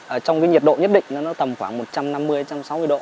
ở trong cái nhiệt độ nhất định nó nó tầm khoảng một trăm năm mươi một trăm sáu mươi độ